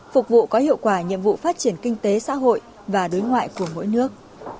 phục vụ có hiệu quả nhiệm vụ phát triển kinh tế xã hội và đối ngoại của mỗi nước